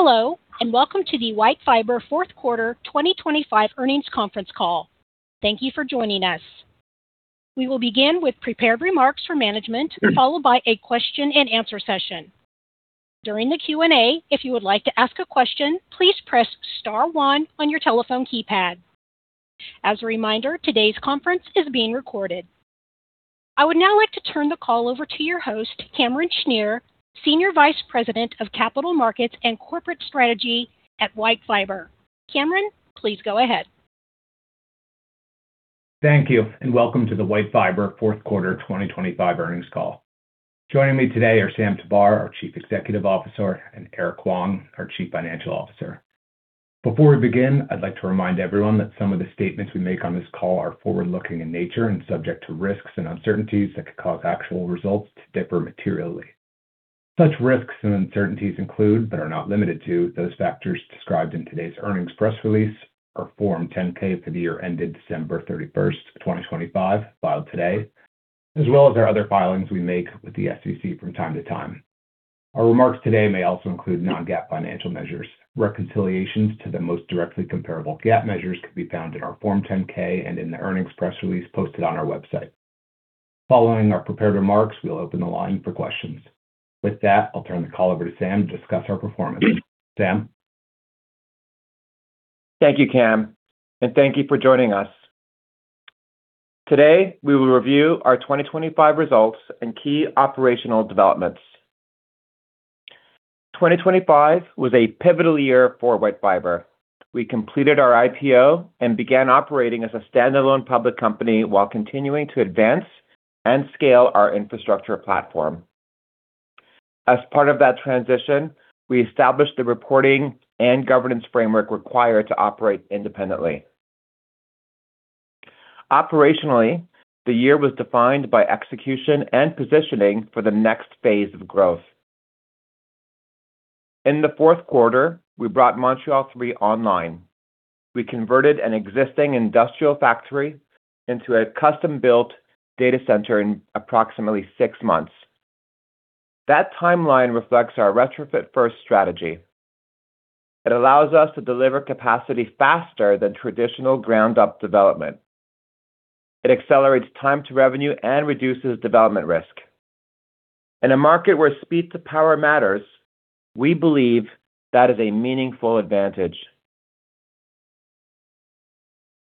Hello, and welcome to the WhiteFiber fourth quarter 2025 earnings conference call. Thank you for joining us. We will begin with prepared remarks from management, followed by a question and answer session. During the Q&A, if you would like to ask a question, please press star one on your telephone keypad. As a reminder, today's conference is being recorded. I would now like to turn the call over to your host, Cameron Schnier, Senior Vice President of Capital Markets and Corporate Strategy at WhiteFiber. Cameron, please go ahead. Thank you, and welcome to the WhiteFiber fourth quarter 2025 earnings call. Joining me today are Sam Tabar, our Chief Executive Officer, and Erke Huang, our Chief Financial Officer. Before we begin, I'd like to remind everyone that some of the statements we make on this call are forward-looking in nature and subject to risks and uncertainties that could cause actual results to differ materially. Such risks and uncertainties include, but are not limited to, those factors described in today's earnings press release, our Form 10-K for the year ended December 31st, 2025, filed today, as well as our other filings we make with the SEC from time to time. Our remarks today may also include non-GAAP financial measures. Reconciliations to the most directly comparable GAAP measures can be found in our Form 10-K and in the earnings press release posted on our website. Following our prepared remarks, we will open the line for questions. With that, I'll turn the call over to Sam to discuss our performance. Sam? Thank you, Cam, and thank you for joining us. Today, we will review our 2025 results and key operational developments. 2025 was a pivotal year for WhiteFiber. We completed our IPO and began operating as a standalone public company while continuing to advance and scale our infrastructure platform. As part of that transition, we established the reporting and governance framework required to operate independently. Operationally, the year was defined by execution and positioning for the next phase of growth. In the fourth quarter, we brought Montreal 3 online. We converted an existing industrial factory into a custom-built data center in approximately six months. That timeline reflects our retrofit-first strategy. It allows us to deliver capacity faster than traditional ground-up development. It accelerates time to revenue and reduces development risk. In a market where speed to power matters, we believe that is a meaningful advantage.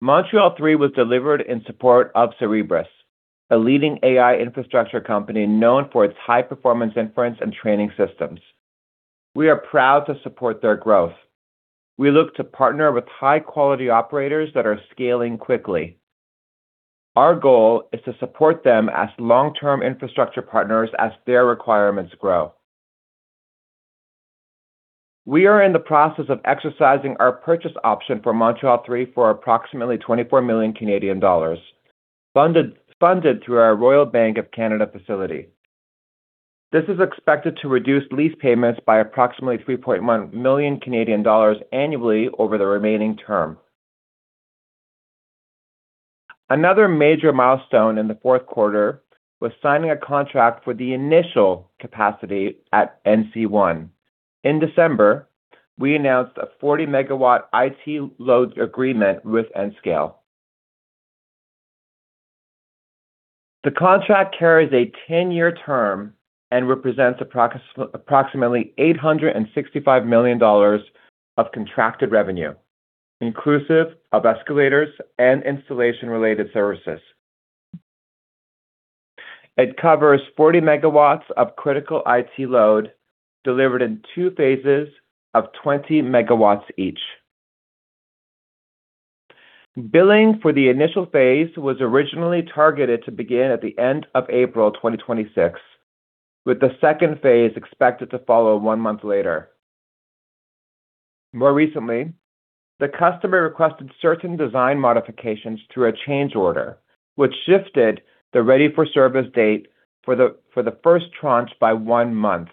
Montreal 3 was delivered in support of Cerebras, a leading AI infrastructure company known for its high-performance inference and training systems. We are proud to support their growth. We look to partner with high-quality operators that are scaling quickly. Our goal is to support them as long-term infrastructure partners as their requirements grow. We are in the process of exercising our purchase option for Montreal 3 for approximately 24 million Canadian dollars, funded through our Royal Bank of Canada facility. This is expected to reduce lease payments by approximately 3.1 million Canadian dollars annually over the remaining term. Another major milestone in the fourth quarter was signing a contract for the initial capacity at NC-1. In December, we announced a 40-MW IT load agreement with Nscale. The contract carries a 10-year term and represents approximately $865 million of contracted revenue, inclusive of escalators and installation related services. It covers 40 MW of critical IT load delivered in two phases of 20 MW each. Billing for the initial phase was originally targeted to begin at the end of April 2026, with the second phase expected to follow one month later. More recently, the customer requested certain design modifications through a change order, which shifted the ready for service date for the first tranche by one month.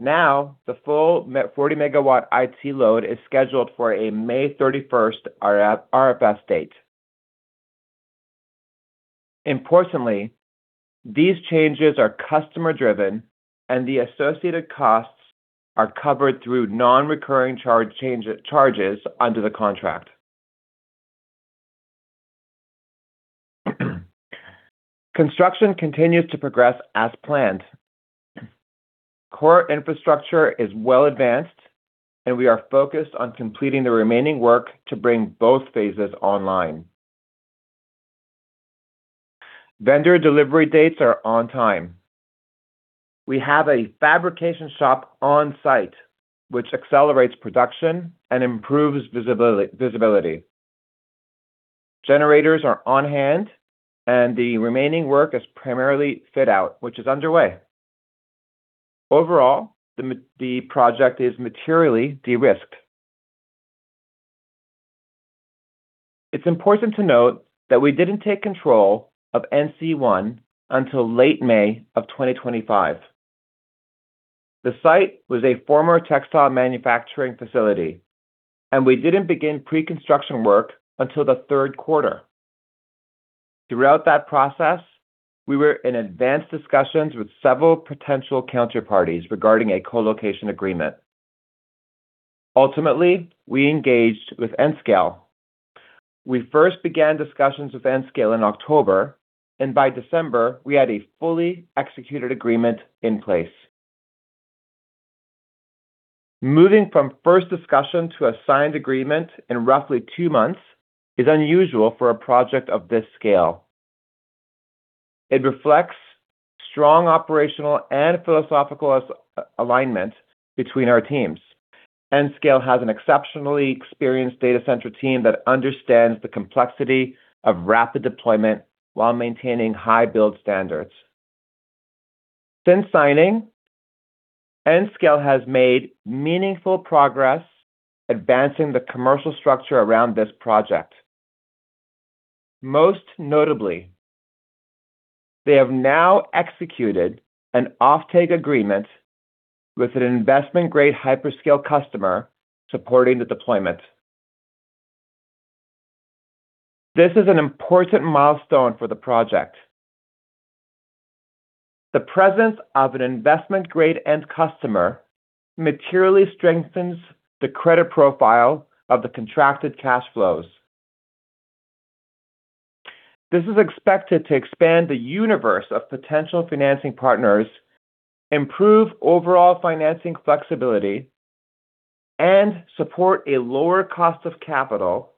Now, the full 40-MW IT load is scheduled for a May 31st RFS date. Importantly, these changes are customer-driven, and the associated costs are covered through non-recurring charges under the contract. Construction continues to progress as planned. Core infrastructure is well advanced, and we are focused on completing the remaining work to bring both phases online. Vendor delivery dates are on time. We have a fabrication shop on site, which accelerates production and improves visibility. Generators are on hand, and the remaining work is primarily fit out, which is underway. Overall, the project is materially de-risked. It's important to note that we didn't take control of NC-1 until late May 2025. The site was a former textile manufacturing facility, and we didn't begin pre-construction work until the third quarter. Throughout that process, we were in advanced discussions with several potential counterparties regarding a colocation agreement. Ultimately, we engaged with Nscale. We first began discussions with Nscale in October, and by December we had a fully executed agreement in place. Moving from first discussion to a signed agreement in roughly 2 months is unusual for a project of this scale. It reflects strong operational and philosophical alignment between our teams. Nscale has an exceptionally experienced data center team that understands the complexity of rapid deployment while maintaining high build standards. Since signing, Nscale has made meaningful progress advancing the commercial structure around this project. Most notably, they have now executed an offtake agreement with an investment-grade hyperscale customer supporting the deployment. This is an important milestone for the project. The presence of an investment-grade end customer materially strengthens the credit profile of the contracted cash flows. This is expected to expand the universe of potential financing partners, improve overall financing flexibility, and support a lower cost of capital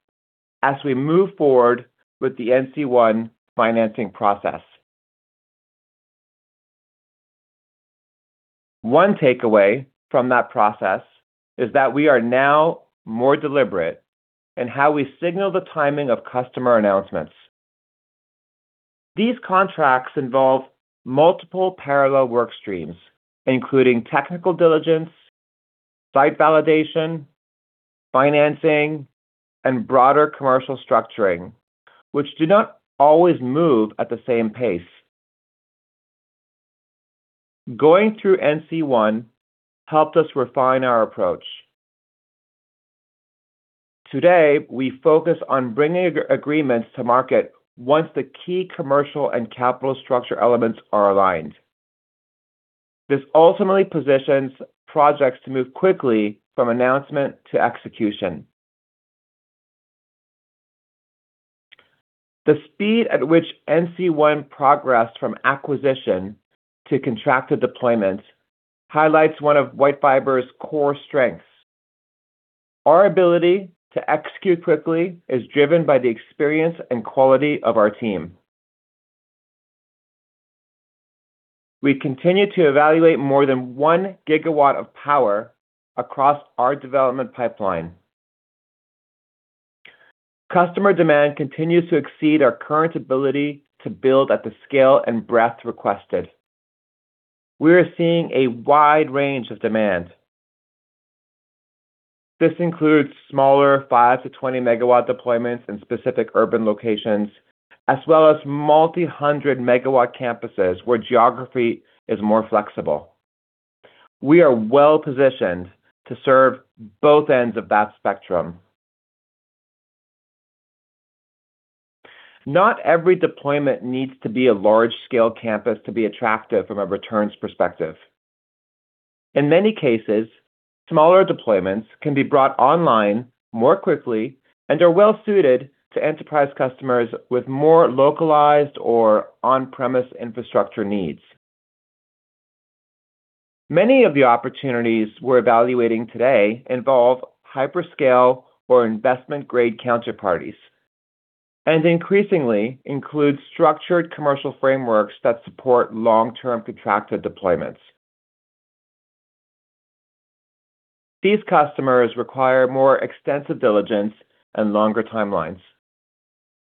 as we move forward with the NC-1 financing process. One takeaway from that process is that we are now more deliberate in how we signal the timing of customer announcements. These contracts involve multiple parallel work streams, including technical diligence, site validation, financing, and broader commercial structuring, which do not always move at the same pace. Going through NC-1 helped us refine our approach. Today, we focus on bringing agreements to market once the key commercial and capital structure elements are aligned. This ultimately positions projects to move quickly from announcement to execution. The speed at which NC-1 progressed from acquisition to contracted deployment highlights one of WhiteFiber's core strengths. Our ability to execute quickly is driven by the experience and quality of our team. We continue to evaluate more than 1 GW of power across our development pipeline. Customer demand continues to exceed our current ability to build at the scale and breadth requested. We are seeing a wide range of demand. This includes smaller 5 MW -20 MW deployments in specific urban locations, as well as multi-hundred megawatts campuses where geography is more flexible. We are well positioned to serve both ends of that spectrum. Not every deployment needs to be a large-scale campus to be attractive from a returns perspective. In many cases, smaller deployments can be brought online more quickly and are well suited to enterprise customers with more localized or on-premise infrastructure needs. Many of the opportunities we're evaluating today involve hyperscale or investment-grade counterparties, and increasingly include structured commercial frameworks that support long-term contracted deployments. These customers require more extensive diligence and longer timelines,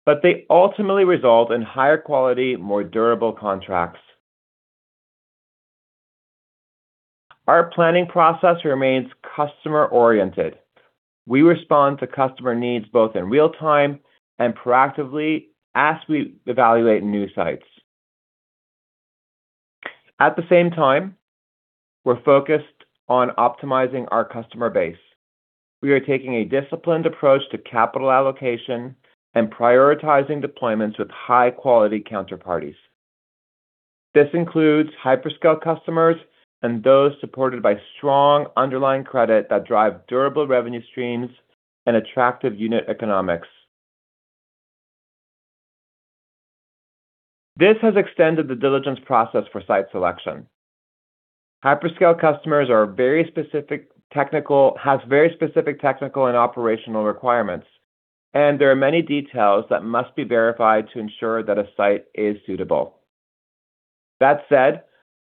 but they ultimately result in higher quality, more durable contracts. Our planning process remains customer-oriented. We respond to customer needs both in real-time and proactively as we evaluate new sites. At the same time, we're focused on optimizing our customer base. We are taking a disciplined approach to capital allocation and prioritizing deployments with high-quality counterparties. This includes hyperscale customers and those supported by strong underlying credit that drive durable revenue streams and attractive unit economics. This has extended the diligence process for site selection. Hyperscale customers have very specific technical and operational requirements, and there are many details that must be verified to ensure that a site is suitable. That said,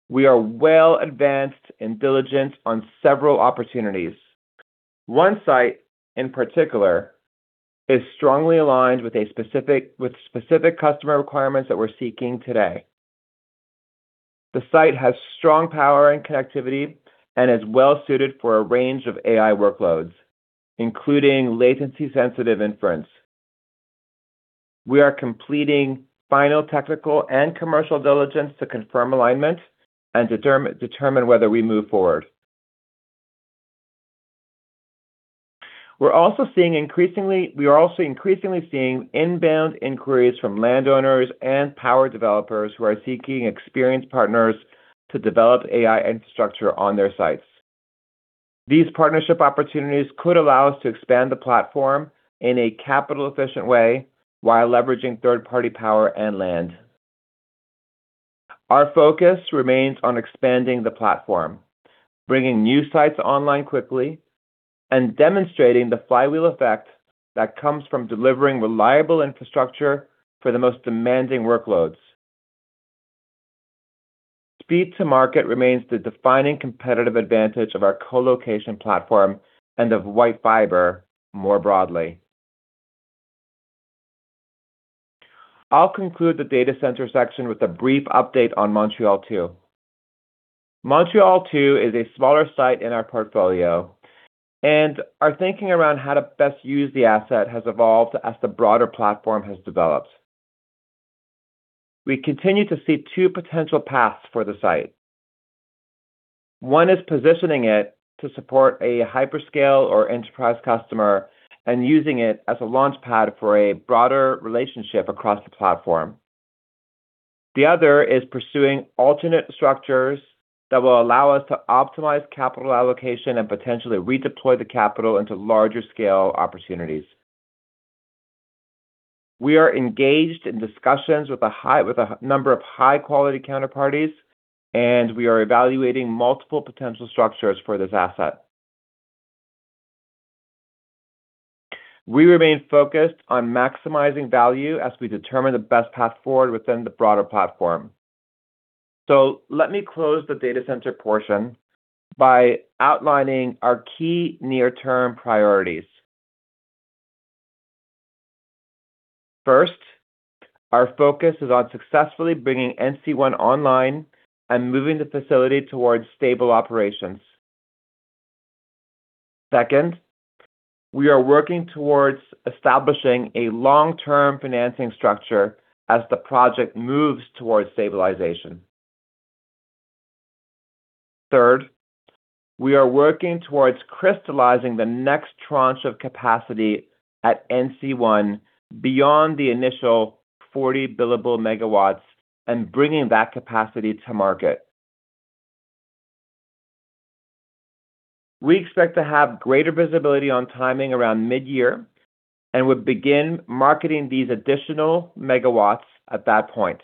we are well advanced in diligence on several opportunities. One site, in particular, is strongly aligned with specific customer requirements that we're seeking today. The site has strong power and connectivity and is well suited for a range of AI workloads, including latency-sensitive inference. We are completing final technical and commercial diligence to confirm alignment and determine whether we move forward. We are also increasingly seeing inbound inquiries from landowners and power developers who are seeking experienced partners to develop AI infrastructure on their sites. These partnership opportunities could allow us to expand the platform in a capital efficient way while leveraging third-party power and land. Our focus remains on expanding the platform, bringing new sites online quickly, and demonstrating the flywheel effect that comes from delivering reliable infrastructure for the most demanding workloads. Speed to market remains the defining competitive advantage of our colocation platform and of WhiteFiber more broadly. I'll conclude the data center section with a brief update on Montreal 2. Montreal 2 is a smaller site in our portfolio, and our thinking around how to best use the asset has evolved as the broader platform has developed. We continue to see two potential paths for the site. One is positioning it to support a hyperscale or enterprise customer and using it as a launchpad for a broader relationship across the platform. The other is pursuing alternate structures that will allow us to optimize capital allocation and potentially redeploy the capital into larger scale opportunities. We are engaged in discussions with a number of high-quality counterparties, and we are evaluating multiple potential structures for this asset. We remain focused on maximizing value as we determine the best path forward within the broader platform. Let me close the data center portion by outlining our key near-term priorities. First, our focus is on successfully bringing NC-1 online and moving the facility towards stable operations. Second, we are working towards establishing a long-term financing structure as the project moves towards stabilization. Third, we are working towards crystallizing the next tranche of capacity at NC-1 beyond the initial 40 billable MW and bringing that capacity to market. We expect to have greater visibility on timing around mid-year and will begin marketing these additional megawatts at that point.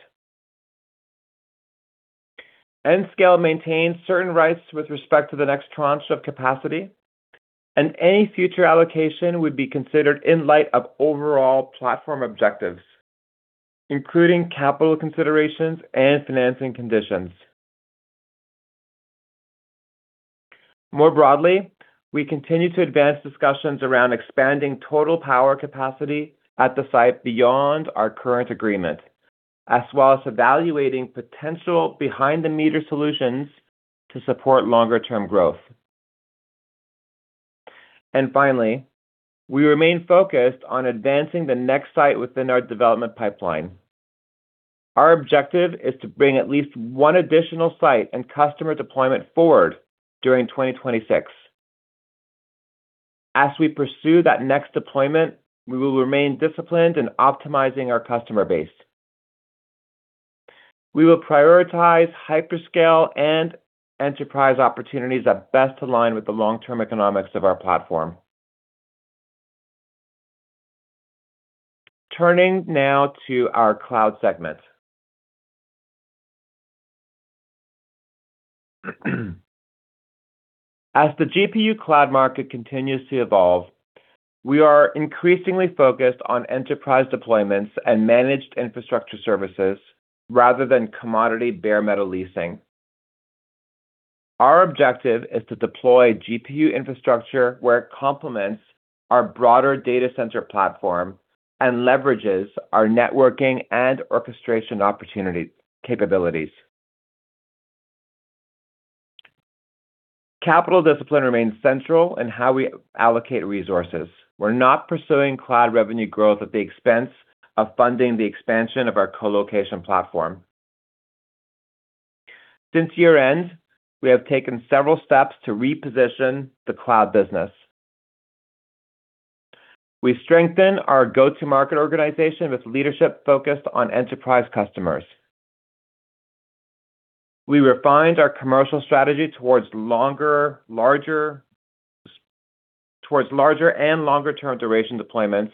Nscale maintains certain rights with respect to the next tranche of capacity, and any future allocation would be considered in light of overall platform objectives, including capital considerations and financing conditions. More broadly, we continue to advance discussions around expanding total power capacity at the site beyond our current agreement, as well as evaluating potential behind-the-meter solutions to support longer term growth. Finally, we remain focused on advancing the next site within our development pipeline. Our objective is to bring at least one additional site and customer deployment forward during 2026. As we pursue that next deployment, we will remain disciplined in optimizing our customer base. We will prioritize hyperscale and enterprise opportunities that best align with the long-term economics of our platform. Turning now to our cloud segment. As the GPU cloud market continues to evolve, we are increasingly focused on enterprise deployments and managed infrastructure services rather than commodity bare metal leasing. Our objective is to deploy GPU infrastructure where it complements our broader data center platform and leverages our networking and orchestration opportunity capabilities. Capital discipline remains central in how we allocate resources. We're not pursuing cloud revenue growth at the expense of funding the expansion of our colocation platform. Since year-end, we have taken several steps to reposition the cloud business. We strengthened our go-to-market organization with leadership focused on enterprise customers. We refined our commercial strategy towards larger and longer term duration deployments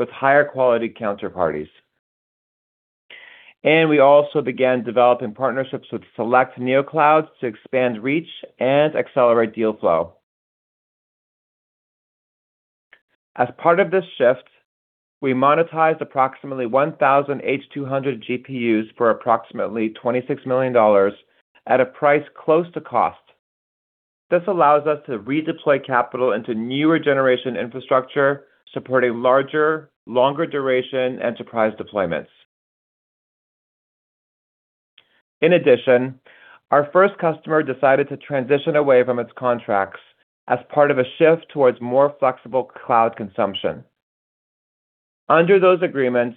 with higher quality counterparties. We also began developing partnerships with select neoclouds to expand reach and accelerate deal flow. As part of this shift, we monetized approximately 1,000 H200 GPUs for approximately $26 million at a price close to cost. This allows us to redeploy capital into newer generation infrastructure, supporting larger, longer duration enterprise deployments. In addition, our first customer decided to transition away from its contracts as part of a shift towards more flexible cloud consumption. Under those agreements,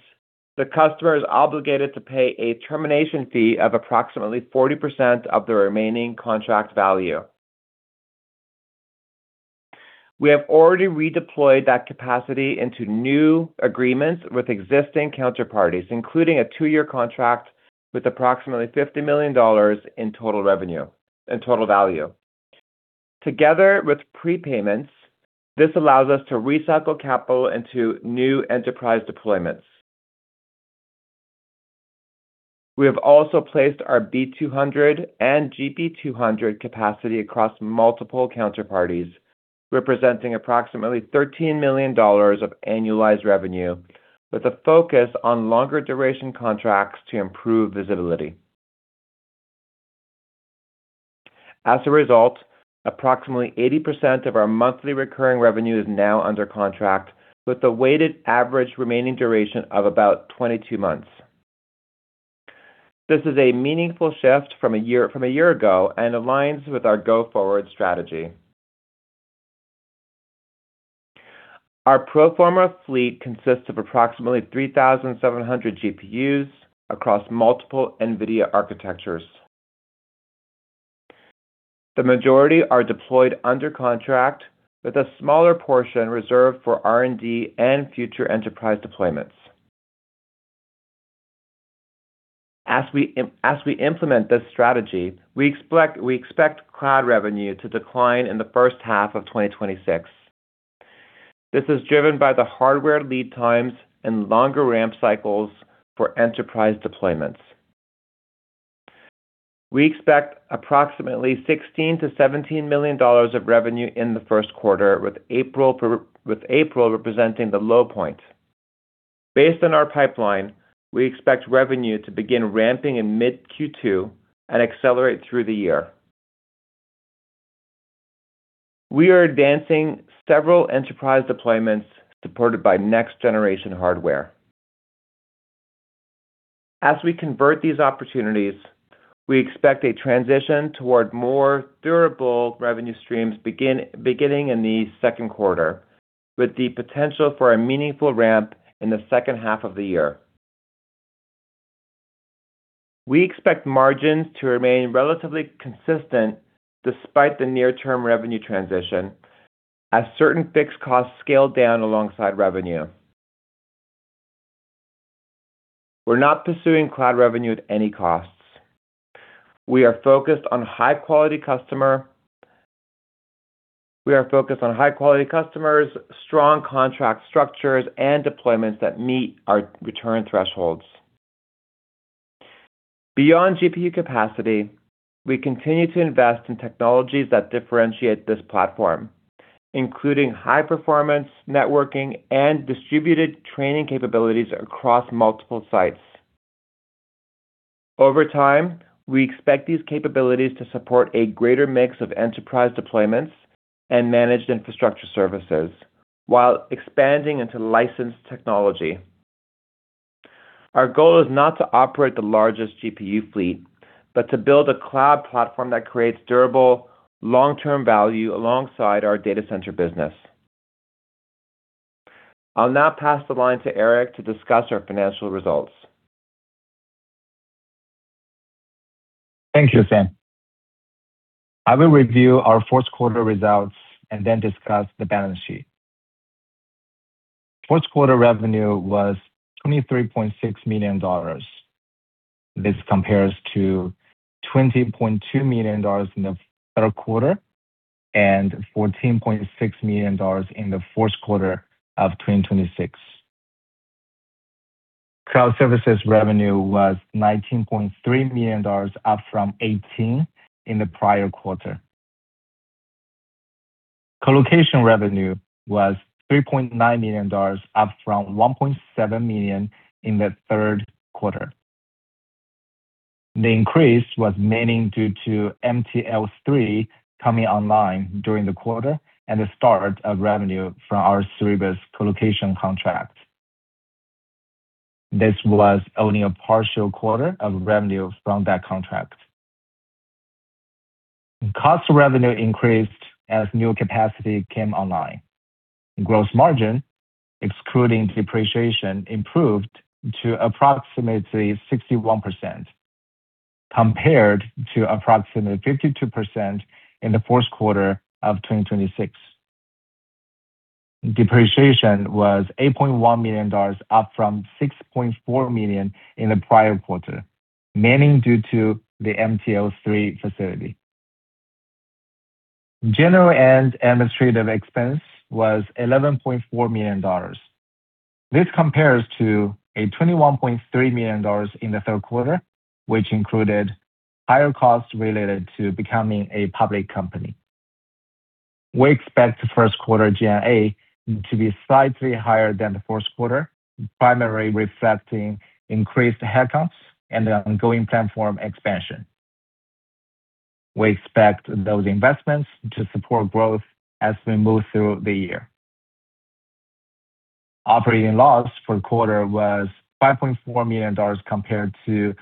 the customer is obligated to pay a termination fee of approximately 40% of the remaining contract value. We have already redeployed that capacity into new agreements with existing counterparties, including a two-year contract with approximately $50 million in total revenue, in total value. Together with prepayments, this allows us to recycle capital into new enterprise deployments. We have also placed our B200 and GB200 capacity across multiple counterparties, representing approximately $13 million of annualized revenue with a focus on longer duration contracts to improve visibility. As a result, approximately 80% of our monthly recurring revenue is now under contract with a weighted average remaining duration of about 22 months. This is a meaningful shift from a year, from a year ago and aligns with our go-forward strategy. Our pro forma fleet consists of approximately 3,700 GPUs across multiple NVIDIA architectures. The majority are deployed under contract with a smaller portion reserved for R&D and future enterprise deployments. As we implement this strategy, we expect cloud revenue to decline in the first half of 2026. This is driven by the hardware lead times and longer ramp cycles for enterprise deployments. We expect approximately $16 million-$17 million of revenue in the first quarter, with April representing the low point. Based on our pipeline, we expect revenue to begin ramping in mid Q2 and accelerate through the year. We are advancing several enterprise deployments supported by next generation hardware. As we convert these opportunities, we expect a transition toward more durable revenue streams beginning in the second quarter, with the potential for a meaningful ramp in the second half of the year. We expect margins to remain relatively consistent despite the near term revenue transition as certain fixed costs scale down alongside revenue. We're not pursuing cloud revenue at any cost. We are focused on high quality customers, strong contract structures and deployments that meet our return thresholds. Beyond GPU capacity, we continue to invest in technologies that differentiate this platform, including high performance networking and distributed training capabilities across multiple sites. Over time, we expect these capabilities to support a greater mix of enterprise deployments and managed infrastructure services while expanding into licensed technology. Our goal is not to operate the largest GPU fleet, but to build a cloud platform that creates durable long-term value alongside our data center business. I'll now pass the line to Erke to discuss our financial results. Thank you, Sam. I will review our fourth quarter results and then discuss the balance sheet. Fourth quarter revenue was $23.6 million. This compares to $20.2 million in the third quarter and $14.6 million in the fourth quarter of 2026. Cloud services revenue was $19.3 million, up from $18 million in the prior quarter. Colocation revenue was $3.9 million, up from $1.7 million in the third quarter. The increase was mainly due to MTL 3 coming online during the quarter and the start of revenue from our Cerebras colocation contract. This was only a partial quarter of revenue from that contract. Cost of revenue increased as new capacity came online. Gross margin, excluding depreciation, improved to approximately 61%, compared to approximately 52% in the fourth quarter of 2026. Depreciation was $8.1 million, up from $6.4 million in the prior quarter, mainly due to the MTL 3 facility. General and administrative expense was $11.4 million. This compares to $21.3 million in the third quarter, which included higher costs related to becoming a public company. We expect the first quarter G&A to be slightly higher than the fourth quarter, primarily reflecting increased headcounts and the ongoing platform expansion. We expect those investments to support growth as we move through the year. Operating loss for the quarter was $5.4 million, compared to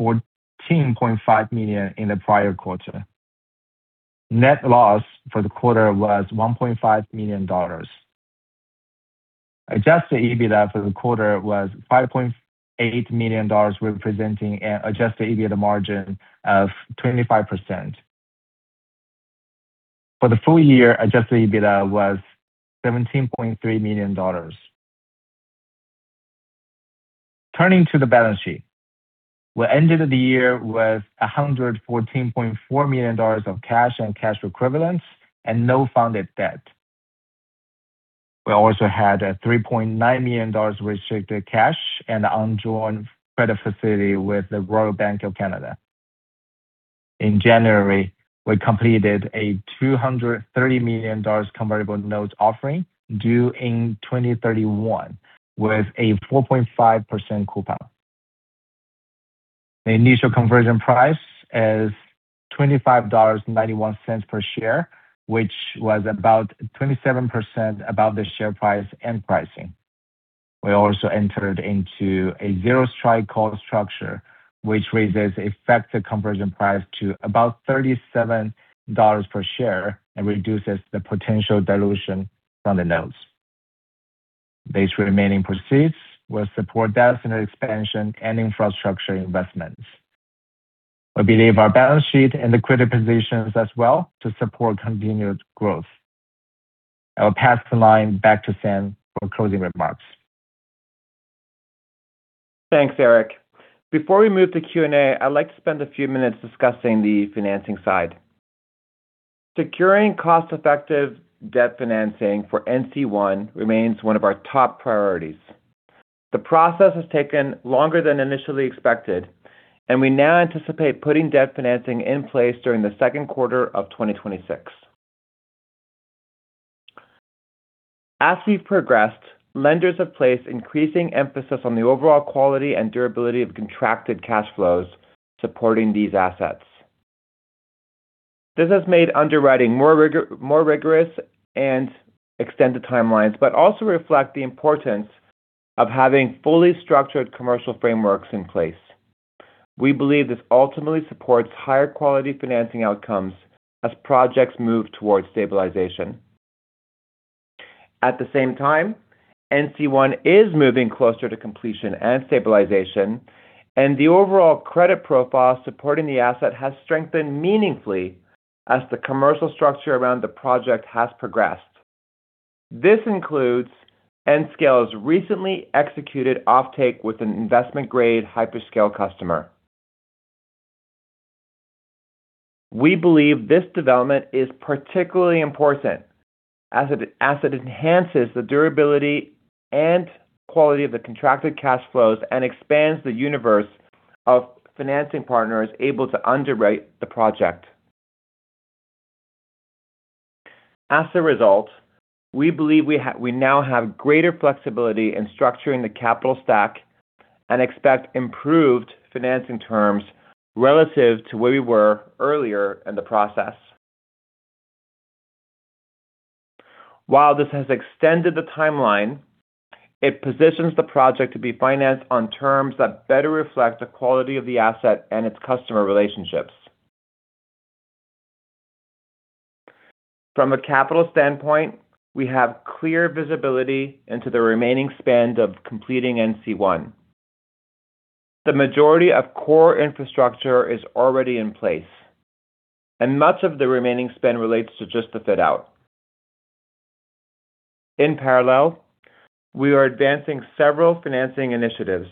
$14.5 million in the prior quarter. Net loss for the quarter was $1.5 million. Adjusted EBITDA for the quarter was $5.8 million, representing an adjusted EBITDA margin of 25%. For the full year, adjusted EBITDA was $17.3 million. Turning to the balance sheet. We ended the year with $114.4 million of cash and cash equivalents and no funded debt. We also had $3.9 million restricted cash and undrawn credit facility with the Royal Bank of Canada. In January, we completed a $230 million convertible notes offering due in 2031 with a 4.5% coupon. The initial conversion price is $25.91 per share, which was about 27% above the share price and pricing. We also entered into a zero-strike capped call structure, which raises effective conversion price to about $37 per share and reduces the potential dilution from the notes. The remaining proceeds will support definite expansion and infrastructure investments. We believe our balance sheet and the credit position us well to support continued growth. I will pass the line back to Sam for closing remarks. Thanks, Erke Huang. Before we move to Q&A, I'd like to spend a few minutes discussing the financing side. Securing cost-effective debt financing for NC-1 remains one of our top priorities. The process has taken longer than initially expected, and we now anticipate putting debt financing in place during the second quarter of 2026. As we've progressed, lenders have placed increasing emphasis on the overall quality and durability of contracted cash flows supporting these assets. This has made underwriting more rigorous and extended timelines, but also reflect the importance of having fully structured commercial frameworks in place. We believe this ultimately supports higher quality financing outcomes as projects move towards stabilization. At the same time, NC-1 is moving closer to completion and stabilization, and the overall credit profile supporting the asset has strengthened meaningfully as the commercial structure around the project has progressed. This includes Nscale's recently executed offtake with an investment-grade hyperscale customer. We believe this development is particularly important as it enhances the durability and quality of the contracted cash flows and expands the universe of financing partners able to underwrite the project. As a result, we believe we now have greater flexibility in structuring the capital stack and expect improved financing terms relative to where we were earlier in the process. While this has extended the timeline, it positions the project to be financed on terms that better reflect the quality of the asset and its customer relationships. From a capital standpoint, we have clear visibility into the remaining spend of completing NC-1. The majority of core infrastructure is already in place, and much of the remaining spend relates to just the fit-out. In parallel, we are advancing several financing initiatives.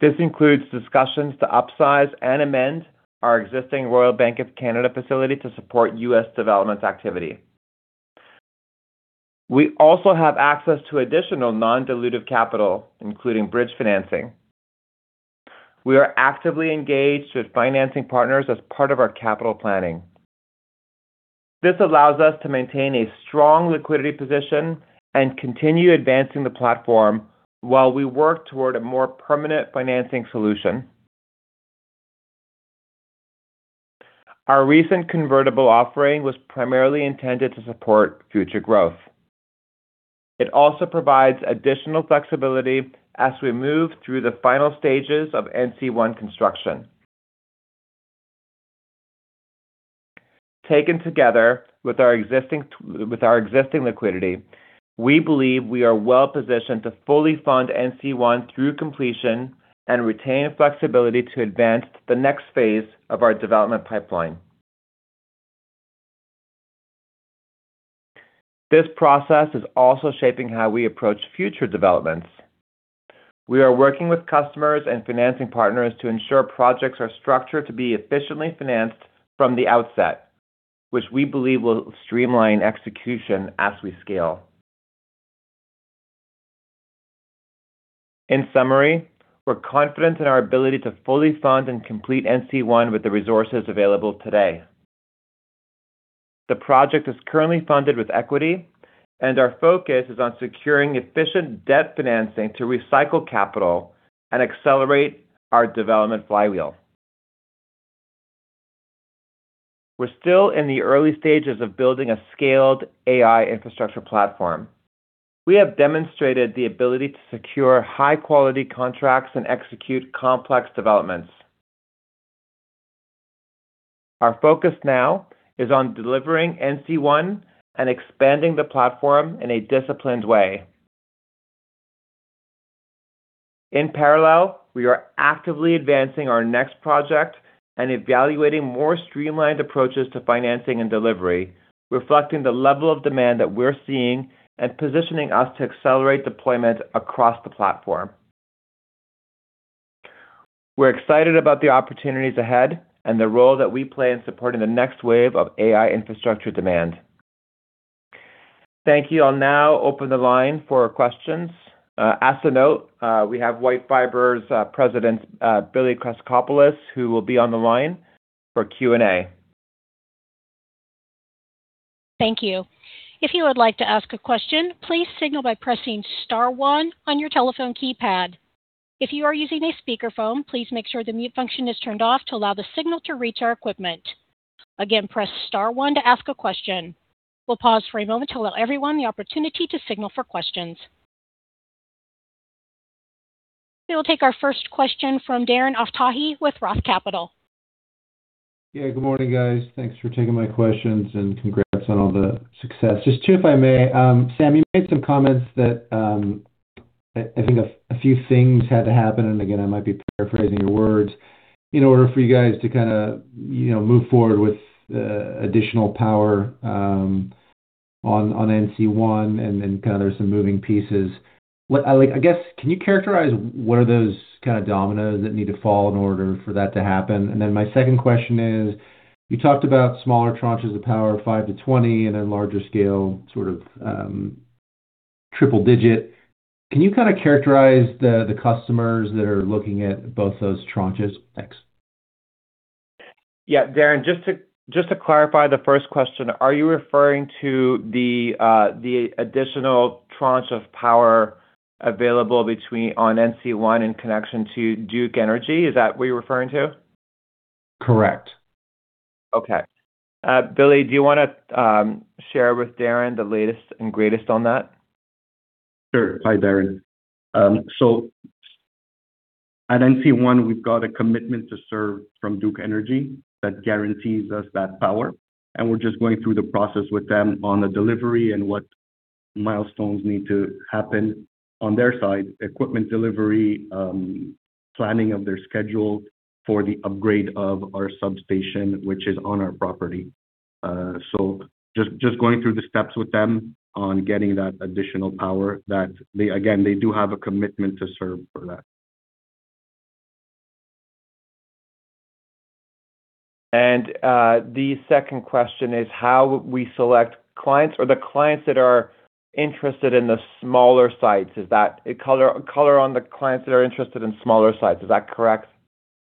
This includes discussions to upsize and amend our existing Royal Bank of Canada facility to support U.S. development activity. We also have access to additional non-dilutive capital, including bridge financing. We are actively engaged with financing partners as part of our capital planning. This allows us to maintain a strong liquidity position and continue advancing the platform while we work toward a more permanent financing solution. Our recent convertible offering was primarily intended to support future growth. It also provides additional flexibility as we move through the final stages of NC-1 construction. Taken together with our existing liquidity, we believe we are well-positioned to fully fund NC-1 through completion and retain flexibility to advance the next phase of our development pipeline. This process is also shaping how we approach future developments. We are working with customers and financing partners to ensure projects are structured to be efficiently financed from the outset, which we believe will streamline execution as we scale. In summary, we're confident in our ability to fully fund and complete NC-1 with the resources available today. The project is currently funded with equity, and our focus is on securing efficient debt financing to recycle capital and accelerate our development flywheel. We're still in the early stages of building a scaled AI infrastructure platform. We have demonstrated the ability to secure high-quality contracts and execute complex developments. Our focus now is on delivering NC-1 and expanding the platform in a disciplined way. In parallel, we are actively advancing our next project and evaluating more streamlined approaches to financing and delivery, reflecting the level of demand that we're seeing and positioning us to accelerate deployment across the platform. We're excited about the opportunities ahead and the role that we play in supporting the next wave of AI infrastructure demand. Thank you. I'll now open the line for questions. As a note, we have WhiteFiber's President, Billy Krassakopoulos, who will be on the line for Q&A. Thank you. If you would like to ask a question, please signal by pressing star one on your telephone keypad. If you are using a speakerphone, please make sure the mute function is turned off to allow the signal to reach our equipment. Again, press star one to ask a question. We'll pause for a moment to allow everyone the opportunity to signal for questions. We will take our first question from Darren Aftahi with Roth Capital. Yeah, good morning, guys. Thanks for taking my questions, and congrats on all the success. Just two, if I may. Sam, you made some comments that, I think a few things had to happen, and again, I might be paraphrasing your words. In order for you guys to kinda, you know, move forward with additional power on NC-1, and then kind of there's some moving pieces. I guess, can you characterize what are those kind of dominoes that need to fall in order for that to happen? And then my second question is, you talked about smaller tranches of power, 5-20, and then larger scale, sort of, triple digit. Can you kind of characterize the customers that are looking at both those tranches? Thanks. Yeah. Darren, just to clarify the first question, are you referring to the additional tranche of power available on NC-1 in connection to Duke Energy? Is that what you're referring to? Correct. Okay. Billy, do you wanna share with Darren the latest and greatest on that? Sure. Hi, Darren. At NC-1, we've got a commitment to serve from Duke Energy that guarantees us that power, and we're just going through the process with them on the delivery and what milestones need to happen on their side, equipment delivery, planning of their schedule for the upgrade of our substation, which is on our property. Just going through the steps with them on getting that additional power that they again do have a commitment to serve for that. The second question is how we select clients or the clients that are interested in the smaller sites. Is that color on the clients that are interested in smaller sites? Is that correct,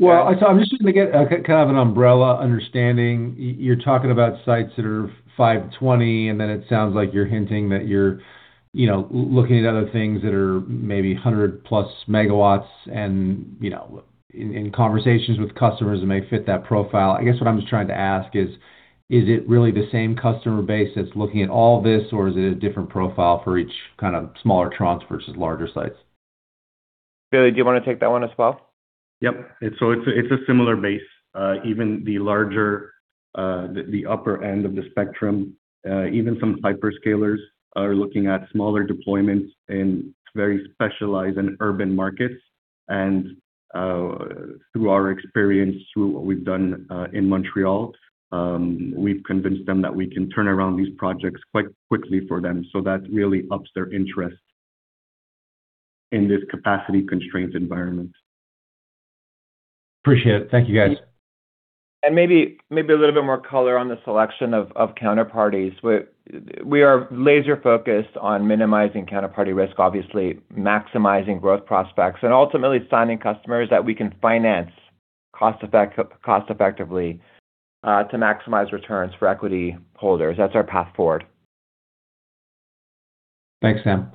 Darren? I'm just looking to get kind of an umbrella understanding. You're talking about sites that are 520, and then it sounds like you're hinting that you're, you know, looking at other things that are maybe 100+ MW and, you know, in conversations with customers that may fit that profile. I guess what I'm just trying to ask is it really the same customer base that's looking at all this, or is it a different profile for each kind of smaller tranche versus larger sites? Billy, do you want to take that one as well? It's a similar base. Even the larger, the upper end of the spectrum, even some hyperscalers are looking at smaller deployments in very specialized and urban markets. Through our experience, through what we've done in Montreal, we've convinced them that we can turn around these projects quite quickly for them. That really ups their interest in this capacity-constrained environment. Appreciate it. Thank you, guys. Maybe a little bit more color on the selection of counterparties. We are laser-focused on minimizing counterparty risk, obviously maximizing growth prospects and ultimately signing customers that we can finance cost-effectively to maximize returns for equity holders. That's our path forward. Thanks, Sam.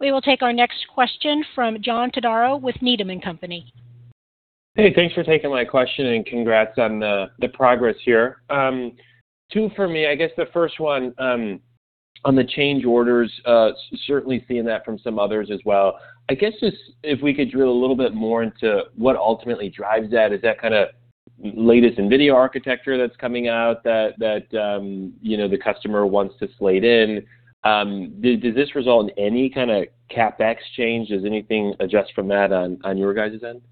We will take our next question from John Todaro with Needham & Company. Hey, thanks for taking my question, and congrats on the progress here. Two for me. I guess the first one, on the change orders, certainly seeing that from some others as well. I guess just if we could drill a little bit more into what ultimately drives that. Is that kinda latest NVIDIA architecture that's coming out that you know, the customer wants to slate in? Does this result in any kind of CapEx change? Does anything adjust from that on your guys' end?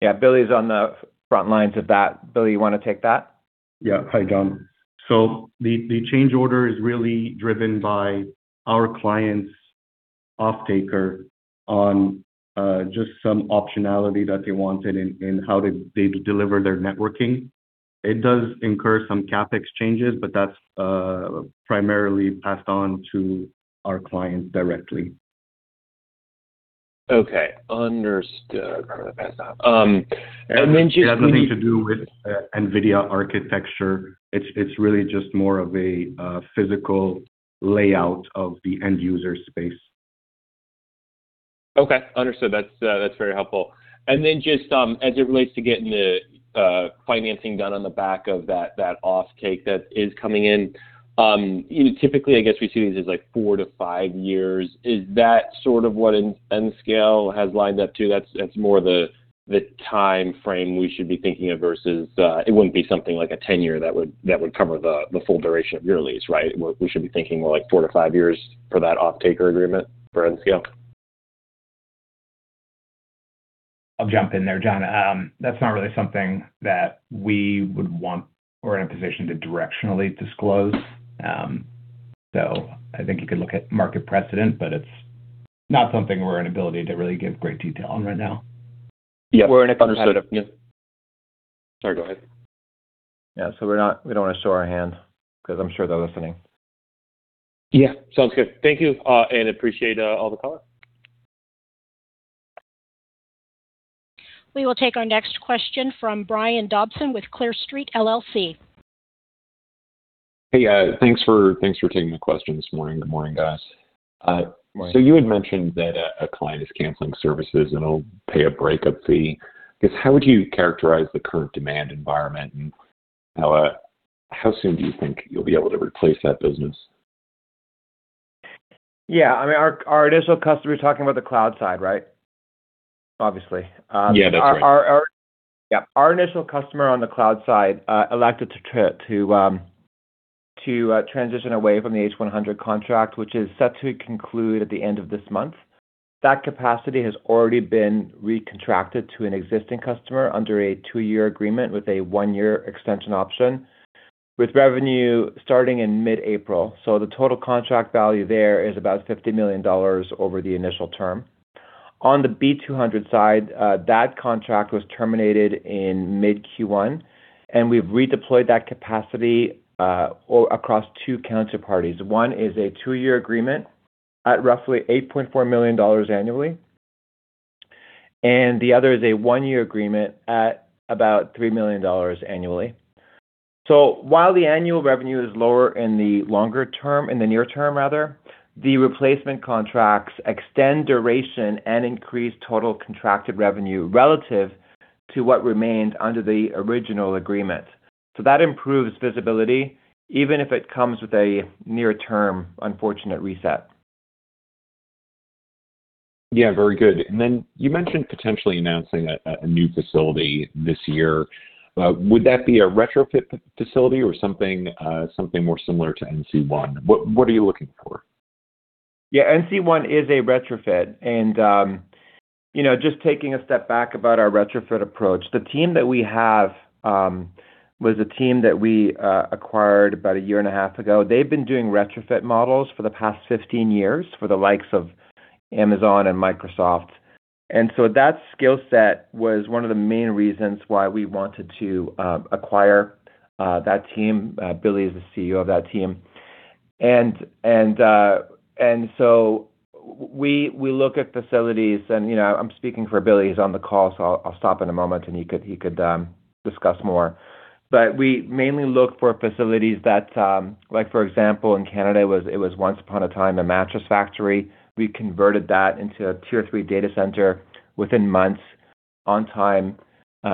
Yeah, Billy is on the front lines of that. Billy, you wanna take that? Hi, John. The change order is really driven by our clients' offtaker on just some optionality that they wanted in how they deliver their networking. It does incur some CapEx changes, but that's primarily passed on to our clients directly. Okay. Understood. It has nothing to do with NVIDIA architecture. It's really just more of a physical layout of the end user space. Okay. Understood. That's very helpful. Then just as it relates to getting the financing done on the back of that offtake that is coming in, you know, typically, I guess, we see this as, like, four to five years. Is that sort of what Nscale has lined up to? That's more the timeframe we should be thinking of versus it wouldn't be something like a 10-year that would cover the full duration of your lease, right? We should be thinking more like four to five years for that offtake agreement for Nscale. I'll jump in there, John. That's not really something that we would want or in a position to directionally disclose. I think you could look at market precedent, but it's not something we're unable to really give great detail on right now. Yeah. Understood. Yeah. Sorry, go ahead. Yeah. We don't wanna show our hand because I'm sure they're listening. Yeah. Sounds good. Thank you, and appreciate, all the color. We will take our next question from Brian Dobson with Clear Street LLC. Hey, thanks for taking the question this morning. Good morning, guys. Morning. You had mentioned that a client is canceling services and it'll pay a breakup fee. I guess, how would you characterize the current demand environment and how soon do you think you'll be able to replace that business? Yeah. I mean, our initial customer, you're talking about the cloud side, right? Obviously. Yeah, that's right. Our initial customer on the cloud side elected to transition away from the H100 contract, which is set to conclude at the end of this month. That capacity has already been recontracted to an existing customer under a 2-year agreement with a 1-year extension option, with revenue starting in mid-April. The total contract value there is about $50 million over the initial term. On the B200 side, that contract was terminated in mid Q1, and we've redeployed that capacity across two counterparties. One is a 2-year agreement at roughly $8.4 million annually, and the other is a 1-year agreement at about $3 million annually. While the annual revenue is lower in the longer term, in the near term rather, the replacement contracts extend duration and increase total contracted revenue relative to what remained under the original agreement. That improves visibility, even if it comes with a near-term unfortunate reset. Yeah, very good. You mentioned potentially announcing a new facility this year. Would that be a retrofit facility or something more similar to NC-1? What are you looking for? Yeah. NC-1 is a retrofit. You know, just taking a step back about our retrofit approach, the team that we have was a team that we acquired about a year and a half ago. They've been doing retrofit models for the past 15 years for the likes of Amazon and Microsoft. That skill set was one of the main reasons why we wanted to acquire that team. Billy is the CEO of that team. We look at facilities, you know, I'm speaking for Billy. He's on the call, so I'll stop in a moment, and he could discuss more. We mainly look for facilities that. Like, for example, in Canada, it was once upon a time a mattress factory. We converted that into a Tier III data center within months, on time,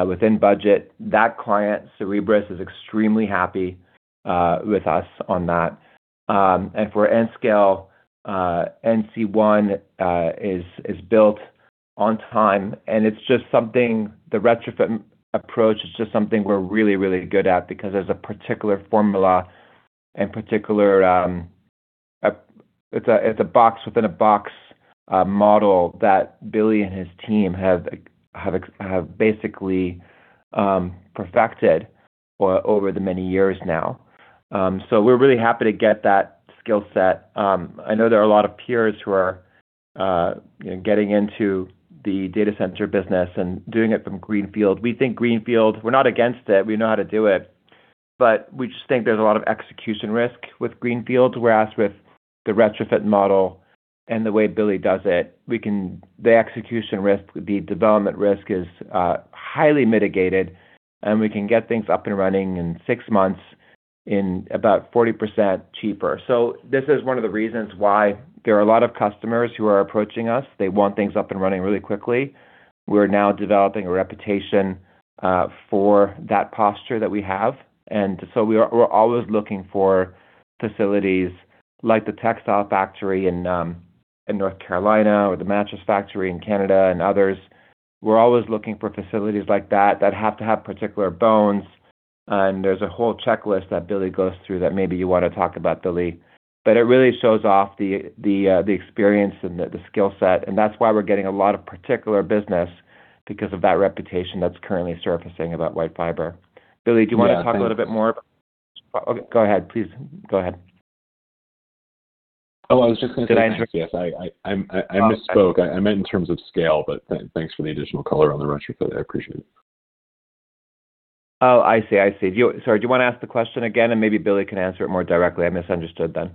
within budget. That client, Cerebras, is extremely happy with us on that. For Nscale, NC-1 is built on time, and the retrofit approach is just something we're really good at because there's a particular formula, and it's a box within a box model that Billy and his team have basically perfected over the many years now. We're really happy to get that skill set. I know there are a lot of peers who are, you know, getting into the data center business and doing it from greenfield. We think greenfield. We're not against it. We know how to do it, but we just think there's a lot of execution risk with greenfield. Whereas with the retrofit model and the way Billy does it, we can the execution risk. The development risk is highly mitigated, and we can get things up and running in 6 months and about 40% cheaper. This is one of the reasons why there are a lot of customers who are approaching us. They want things up and running really quickly. We're now developing a reputation for that posture that we have. We are always looking for facilities like the textile factory in North Carolina or the mattress factory in Canada and others. We're always looking for facilities like that have to have particular bones, and there's a whole checklist that Billy goes through that maybe you wanna talk about, Billy. It really shows off the experience and the skill set, and that's why we're getting a lot of particular business because of that reputation that's currently surfacing about WhiteFiber. Billy, do you wanna talk a little bit more? Go ahead, please. Go ahead. Oh, I was just gonna say thanks. Yes. I misspoke. I meant in terms of scale, but thanks for the additional color on the retrofit. I appreciate it. Oh, I see. Sorry, do you wanna ask the question again, and maybe Billy can answer it more directly? I misunderstood then.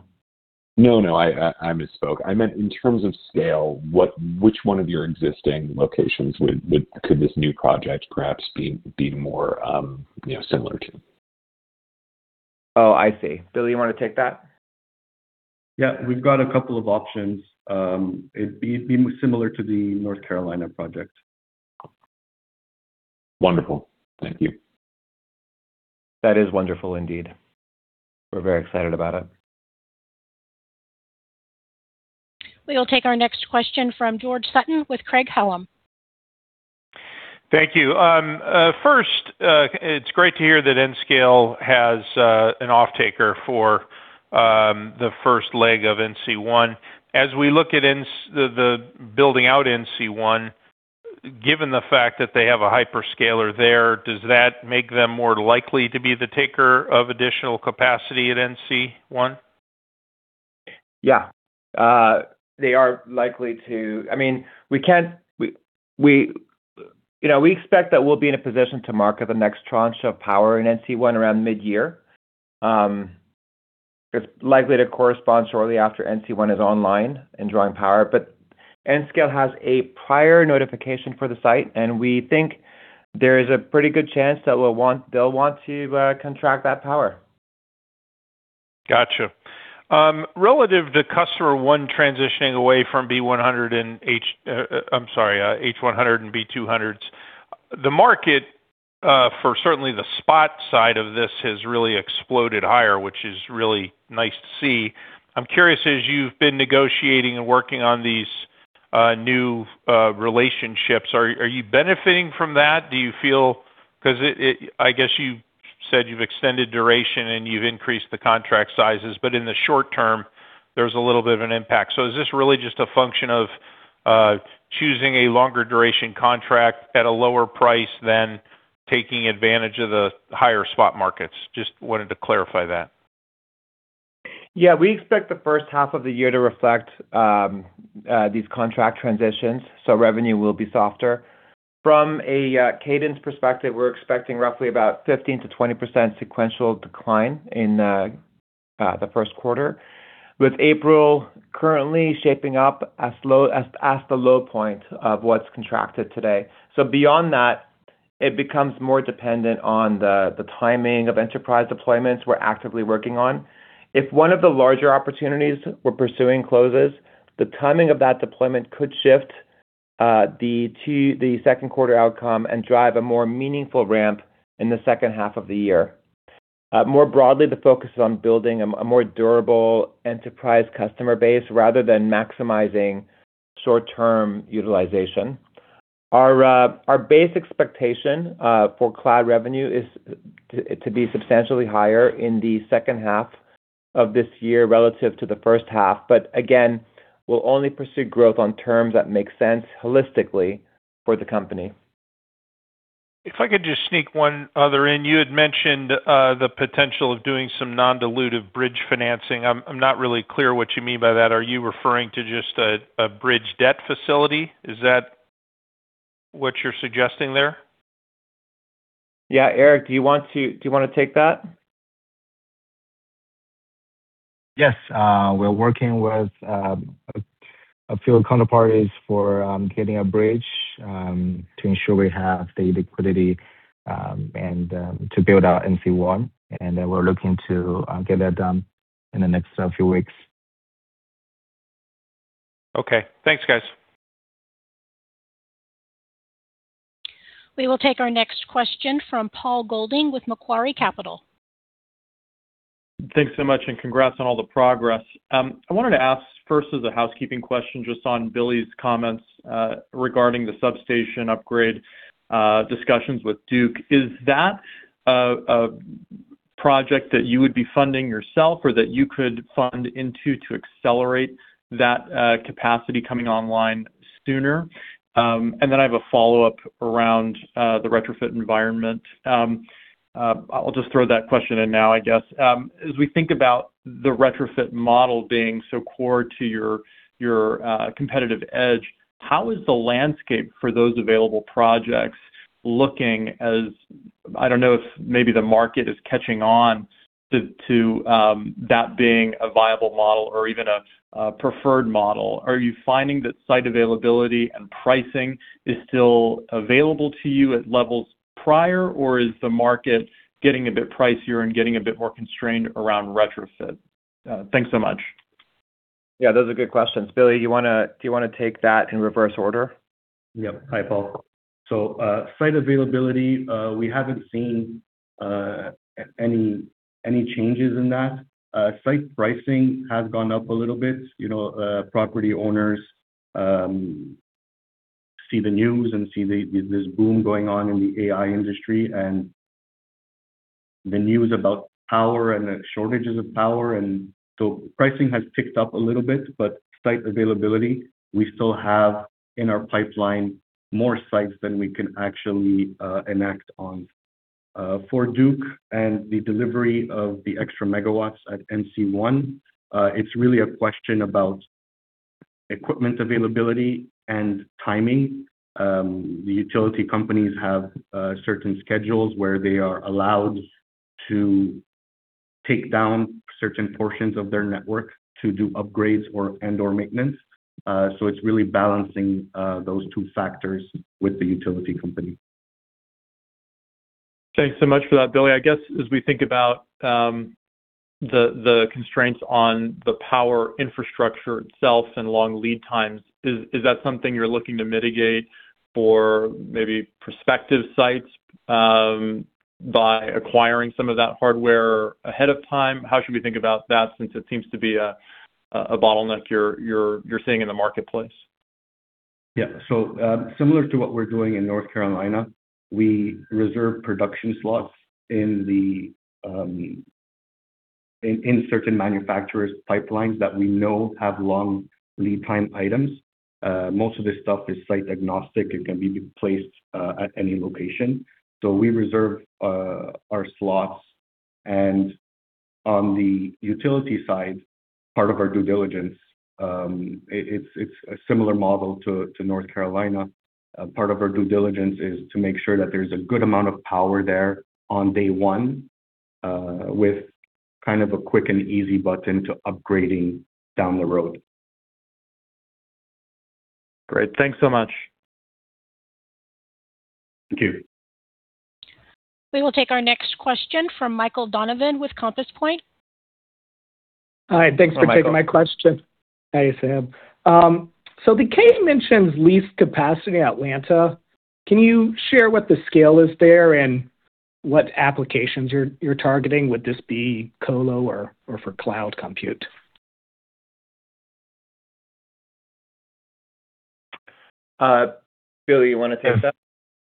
No, no. I misspoke. I meant in terms of scale, which one of your existing locations would could this new project perhaps be more, you know, similar to? Oh, I see. Billy, you want to take that? Yeah. We've got a couple of options. It'd be similar to the North Carolina project. Wonderful. Thank you. That is wonderful indeed. We're very excited about it. We will take our next question from George Sutton with Craig-Hallum. Thank you. First, it's great to hear that Nscale has an offtaker for the first leg of NC-1. As we look at the building out NC-1, given the fact that they have a hyperscaler there, does that make them more likely to be the taker of additional capacity at NC-1? We, you know, we expect that we'll be in a position to market the next tranche of power in NC-1 around mid-year. It's likely to correspond shortly after NC-1 is online and drawing power. Nscale has a prior notification for the site, and we think there is a pretty good chance that they'll want to contract that power. Gotcha. Relative to customer one transitioning away from B100 and H100 and B200, the market for certainly the spot side of this has really exploded higher, which is really nice to see. I'm curious, as you've been negotiating and working on these new relationships, are you benefiting from that? Do you feel, 'cause it, I guess you said you've extended duration and you've increased the contract sizes, but in the short term, there's a little bit of an impact. Is this really just a function of choosing a longer duration contract at a lower price than taking advantage of the higher spot markets? Just wanted to clarify that. Yeah, we expect the first half of the year to reflect these contract transitions, so revenue will be softer. From a cadence perspective, we're expecting roughly about 15%-20% sequential decline in the first quarter, with April currently shaping up as the low point of what's contracted today. Beyond that, it becomes more dependent on the timing of enterprise deployments we're actively working on. If one of the larger opportunities we're pursuing closes, the timing of that deployment could shift the second quarter outcome and drive a more meaningful ramp in the second half of the year. More broadly, the focus is on building a more durable enterprise customer base rather than maximizing short-term utilization. Our base expectation for cloud revenue is to be substantially higher in the second half of this year relative to the first half. Again, we'll only pursue growth on terms that make sense holistically for the company. If I could just sneak one other in. You had mentioned the potential of doing some non-dilutive bridge financing. I'm not really clear what you mean by that. Are you referring to just a bridge debt facility? Is that what you're suggesting there? Yeah. Erke, do you wanna take that? Yes. We're working with a few counterparties for getting a bridge to ensure we have the liquidity and to build out NC-1. We're looking to get that done in the next few weeks. Okay. Thanks, guys. We will take our next question from Paul Golding with Macquarie Capital. Thanks so much, and congrats on all the progress. I wanted to ask first as a housekeeping question just on Billy's comments regarding the substation upgrade discussions with Duke. Is that a project that you would be funding yourself or that you could fund into to accelerate that capacity coming online sooner? And then I have a follow-up around the retrofit environment. I'll just throw that question in now, I guess. As we think about the retrofit model being so core to your competitive edge, how is the landscape for those available projects looking? I don't know if maybe the market is catching on to that being a viable model or even a preferred model. Are you finding that site availability and pricing is still available to you at levels prior, or is the market getting a bit pricier and getting a bit more constrained around retrofit? Thanks so much. Yeah, those are good questions. Billy, do you wanna take that in reverse order? Yeah. Hi, Paul. Site availability, we haven't seen any changes in that. Site pricing has gone up a little bit. You know, property owners see the news and see this boom going on in the AI industry and the news about power and the shortages of power. Pricing has ticked up a little bit, but site availability, we still have in our pipeline more sites than we can actually enact on. For Duke and the delivery of the extra megawatts at NC-1, it's really a question about equipment availability and timing. The utility companies have certain schedules where they are allowed to take down certain portions of their network to do upgrades or and/or maintenance. It's really balancing those two factors with the utility company. Thanks so much for that, Billy. I guess as we think about the constraints on the power infrastructure itself and long lead times, is that something you're looking to mitigate for maybe prospective sites by acquiring some of that hardware ahead of time? How should we think about that since it seems to be a bottleneck you're seeing in the marketplace? Yeah. Similar to what we're doing in North Carolina, we reserve production slots in certain manufacturers' pipelines that we know have long lead time items. Most of this stuff is site agnostic. It can be placed at any location. We reserve our slots. On the utility side, part of our due diligence, it's a similar model to North Carolina. Part of our due diligence is to make sure that there's a good amount of power there on day one with kind of a quick and easy button to upgrading down the road. Great. Thanks so much. Thank you. We will take our next question from Michael Donovan with Compass Point. Hi. Thanks for taking my question. Hi, Michael. Hi, Sam. The 10-K mentions leased capacity in Atlanta. Can you share what the scale is there and what applications you're targeting? Would this be colo or for cloud compute? Billy, you wanna take that?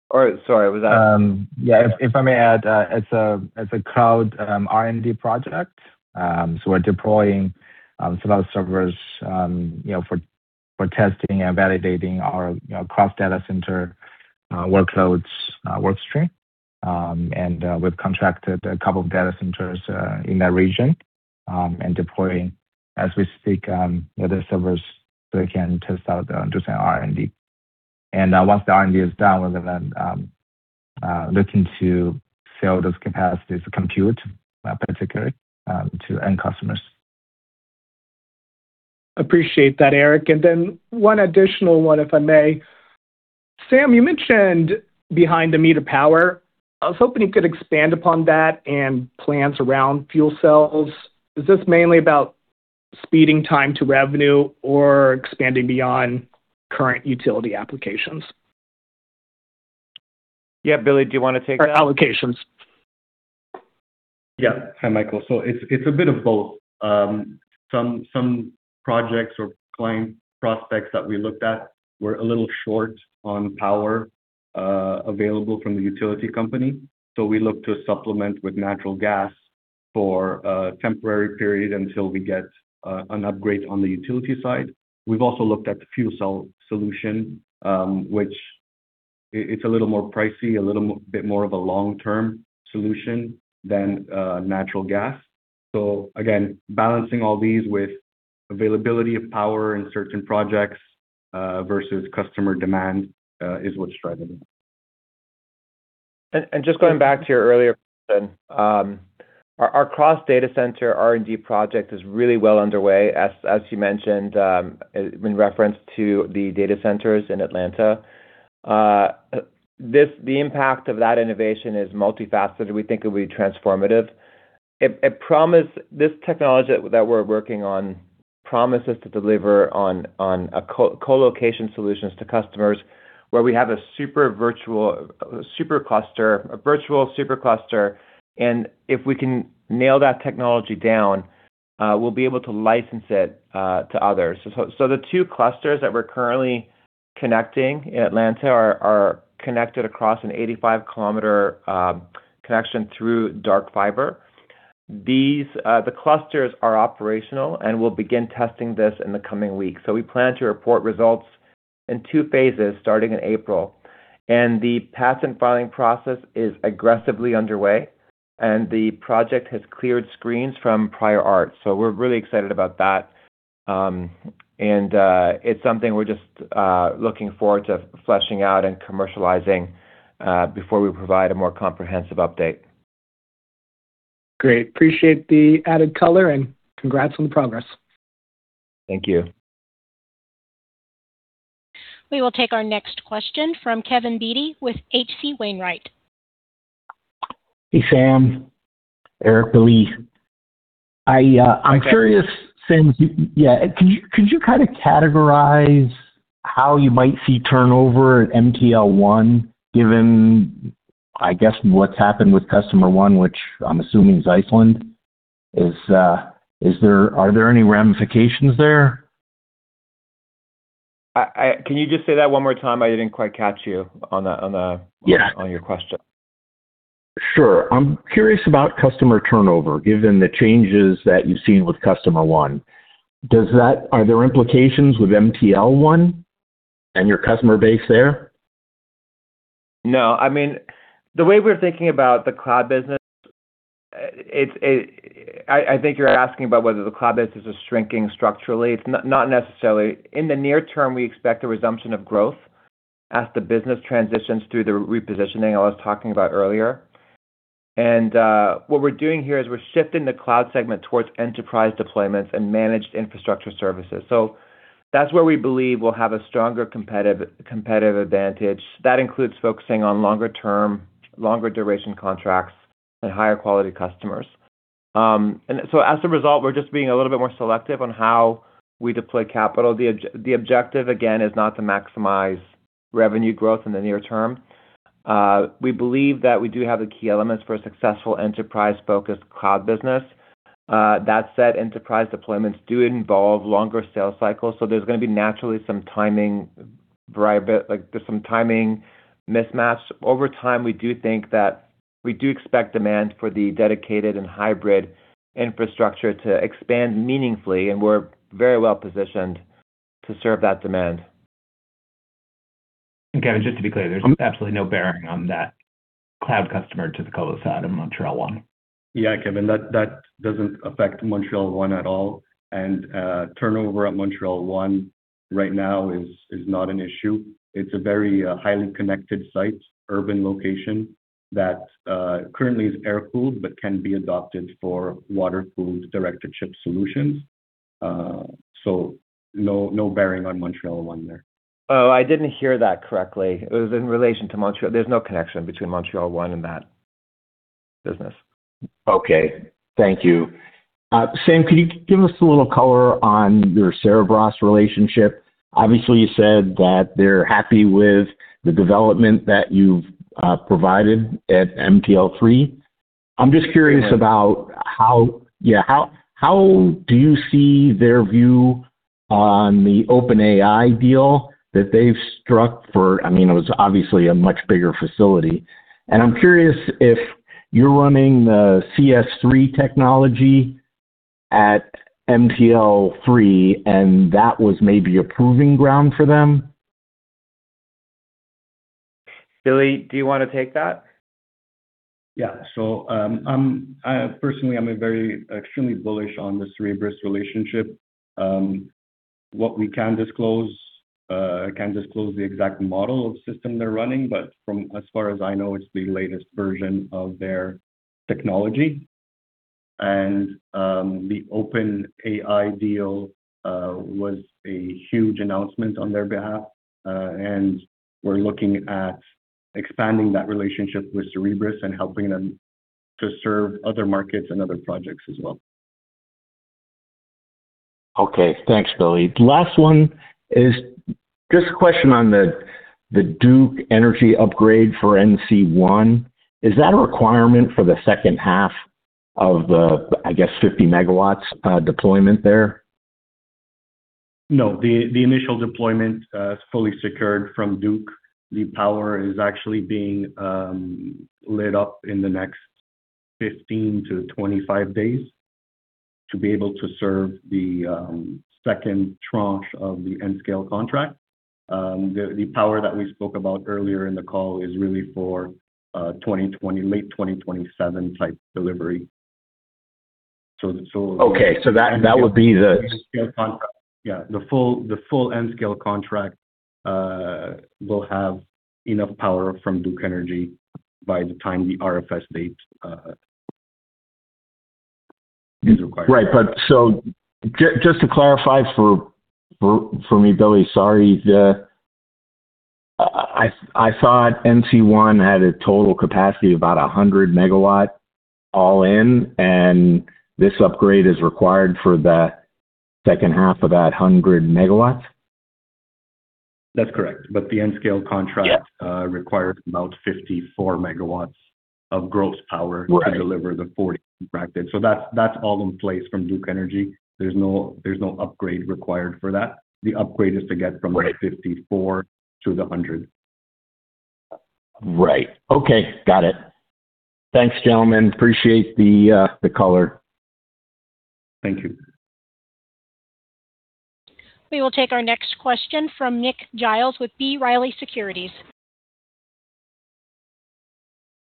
Or, sorry, was that? If I may add, it's a cloud R&D project. We're deploying some of the servers, you know, for testing and validating our, you know, cross data center workloads work stream. We've contracted a couple of data centers in that region, and deploying as we speak other servers so we can test out and do some R&D. Once the R&D is done, we're gonna looking to sell those capacities to compute, particularly to end customers. Appreciate that, Erke. One additional one, if I may. Sam, you mentioned behind-the-meter power. I was hoping you could expand upon that and plans around fuel cells. Is this mainly about speeding time to revenue or expanding beyond current utility applications? Yeah. Billy, do you wanna take? Allocations. Yeah. Hi, Michael. It's a bit of both. Some projects or client prospects that we looked at were a little short on power available from the utility company, so we look to supplement with natural gas for a temporary period until we get an upgrade on the utility side. We've also looked at the fuel cell solution, which it's a little more pricey, a little bit more of a long-term solution than natural gas. Again, balancing all these with availability of power in certain projects versus customer demand is what's driving it. Just going back to your earlier question. Our cross data center R&D project is really well underway, as you mentioned, in reference to the data centers in Atlanta. The impact of that innovation is multifaceted. We think it will be transformative. This technology that we're working on promises to deliver on a colocation solutions to customers where we have a super cluster, a virtual super cluster, and if we can nail that technology down, we'll be able to license it to others. The two clusters that we're currently connecting in Atlanta are connected across an 85-kilometer connection through dark fiber. The clusters are operational, and we'll begin testing this in the coming weeks. We plan to report results in two phases starting in April. The patent filing process is aggressively underway, and the project has cleared screens from prior art. We're really excited about that. It's something we're just looking forward to fleshing out and commercializing before we provide a more comprehensive update. Great. Appreciate the added color, and congrats on the progress. Thank you. We will take our next question from Kevin Dede with H.C. Wainwright. Hey, Sam. Erke, Billy. I Hi, Kevin. Could you kinda categorize how you might see turnover at MTL1, given, I guess, what's happened with customer one, which I'm assuming is Iceland? Are there any ramifications there? Can you just say that one more time? I didn't quite catch you on the- Yeah. ...on your question. Sure. I'm curious about customer turnover, given the changes that you've seen with customer one. Are there implications with MTL1 and your customer base there? No. I mean, the way we're thinking about the cloud business, I think you're asking about whether the cloud business is shrinking structurally. It's not necessarily. In the near term, we expect a resumption of growth as the business transitions through the repositioning I was talking about earlier. What we're doing here is we're shifting the cloud segment towards enterprise deployments and managed infrastructure services. That's where we believe we'll have a stronger competitive advantage. That includes focusing on longer term, longer duration contracts and higher quality customers. As a result, we're just being a little bit more selective on how we deploy capital. The objective, again, is not to maximize revenue growth in the near term. We believe that we do have the key elements for a successful enterprise-focused cloud business. That said, enterprise deployments do involve longer sales cycles, so there's gonna be naturally some timing variety, like there's some timing mismatch. Over time, we do think that we do expect demand for the dedicated and hybrid infrastructure to expand meaningfully, and we're very well positioned to serve that demand. Kevin, just to be clear, there's absolutely no bearing on that cloud customer to the colo side of Montreal one. Yeah, Kevin, that doesn't affect Montreal one at all. Turnover at Montreal one right now is not an issue. It's a very highly connected site, urban location that currently is air-cooled but can be adopted for water-cooled direct-to-chip solutions. No bearing on Montreal one there. Oh, I didn't hear that correctly. It was in relation to Montreal. There's no connection between Montreal one and that business. Okay. Thank you. Sam, could you give us a little color on your Cerebras relationship? Obviously, you said that they're happy with the development that you've provided at MTL3. I'm just curious about how you see their view on the OpenAI deal that they've struck. I mean, it was obviously a much bigger facility. I'm curious if you're running the CS-3 technology at MTL3, and that was maybe a proving ground for them. Billy, do you wanna take that? Yeah. Personally, I'm very extremely bullish on the Cerebras relationship. What we can disclose, I can't disclose the exact model of system they're running, but from as far as I know, it's the latest version of their technology. The OpenAI deal was a huge announcement on their behalf. We're looking at expanding that relationship with Cerebras and helping them to serve other markets and other projects as well. Okay. Thanks, Billy. Last one is just a question on the Duke Energy upgrade for NC-1. Is that a requirement for the second half of the, I guess, 50 MW deployment there? No. The initial deployment is fully secured from Duke. The power is actually being lit up in the next 15-25 days to be able to serve the second tranche of the Nscale contract. The power that we spoke about earlier in the call is really for late 2027 type delivery. Okay. That would be the. Nscale contract. Yeah. The full Nscale contract will have enough power from Duke Energy by the time the RFS date is required. Right. Just to clarify for me, Billy, sorry. I thought NC-1 had a total capacity of about 100 MW all in, and this upgrade is required for the second half of that 100 MW. That's correct. The Nscale contract- Yeah. ...requires about 54 MW of gross power- Right. ...to deliver the 40 contracted. That's all in place from Duke Energy. There's no upgrade required for that. The upgrade is to get from the 54 to the 100. Right. Okay. Got it. Thanks, gentlemen. Appreciate the color. Thank you. We will take our next question from Nick Giles with B. Riley Securities.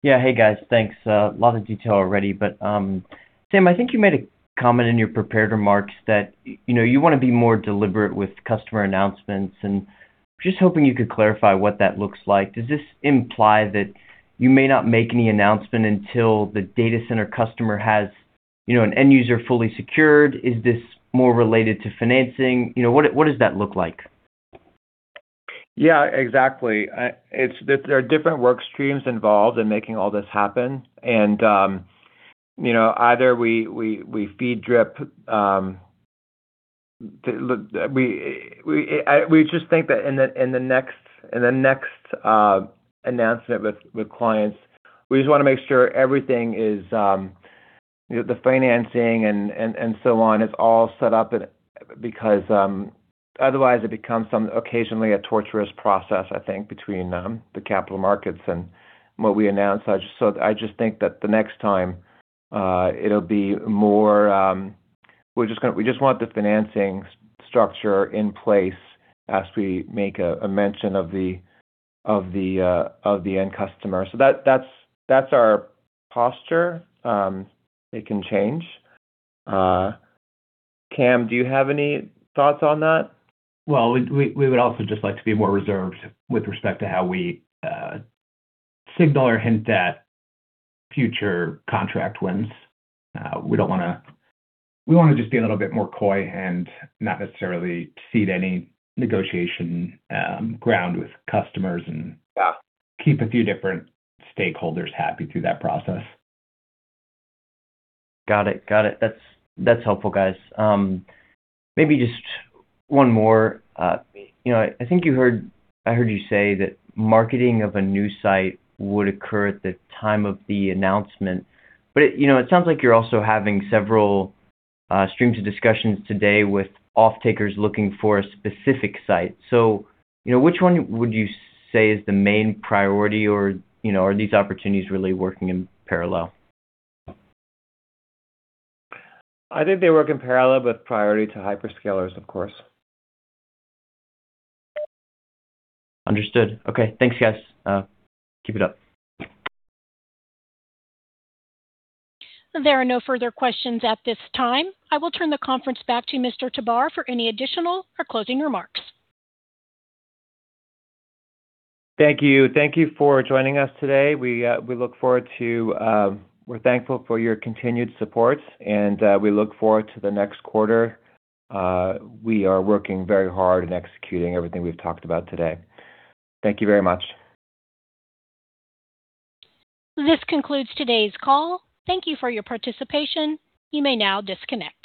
Yeah. Hey, guys. Thanks. A lot of detail already, but, Sam Tabar, I think you made a comment in your prepared remarks that, you know, you wanna be more deliberate with customer announcements, and just hoping you could clarify what that looks like. Does this imply that you may not make any announcement until the data center customer has, you know, an end user fully secured? Is this more related to financing? You know, what does that look like? Yeah, exactly. There are different work streams involved in making all this happen. Look, we just think that in the next announcement with clients, we just wanna make sure everything is the financing and so on is all set up because otherwise it becomes sometimes occasionally a torturous process, I think, between the capital markets and what we announce. I just think that the next time it'll be more. We just want the financing structure in place as we make a mention of the end customer. That's our posture. It can change. Cam, do you have any thoughts on that? Well, we would also just like to be more reserved with respect to how we signal or hint at future contract wins. We wanna just be a little bit more coy and not necessarily cede any negotiation ground with customers and- Yeah. ...keep a few different stakeholders happy through that process. Got it. That's helpful, guys. Maybe just one more. You know, I think I heard you say that marketing of a new site would occur at the time of the announcement. You know, it sounds like you're also having several streams of discussions today with offtakers looking for a specific site. You know, which one would you say is the main priority or, you know, are these opportunities really working in parallel? I think they work in parallel, but priority to hyperscalers, of course. Understood. Okay. Thanks, guys. Keep it up. There are no further questions at this time. I will turn the conference back to Mr. Tabar for any additional or closing remarks. Thank you. Thank you for joining us today. We're thankful for your continued support, and we look forward to the next quarter. We are working very hard in executing everything we've talked about today. Thank you very much. This concludes today's call. Thank you for your participation. You may now disconnect.